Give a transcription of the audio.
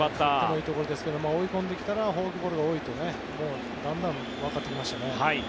いいところですけど追い込んできたらフォークボールが多いとだんだんわかってきましたね。